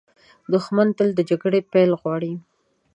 دښمن تل د جګړې پیل غواړي